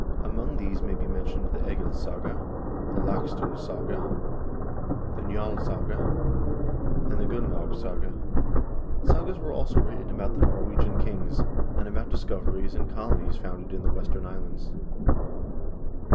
Among these may be men tioned the "Egilssaga," the "Laxd0lasaga," the "Nj&lssaga," and the " Gunlaugssaga." Sagas were also written about the Norwegian kings, and about discoveries, and colonies founded in the western THE VIKING PERIOD 43 islands.